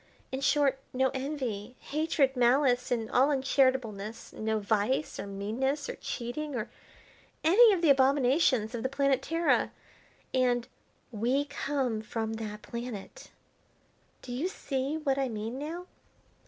In short, no envy, hatred, malice, and all uncharitableness; no vice, or meanness, or cheating, or any of the abominations of the planet Terra, and we come from that planet. Do you see what I mean now?"